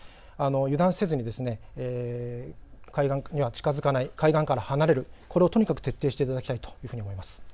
油断せずに海岸には近づかない、海岸から離れる、これをとにかく徹底していただきたいと思います。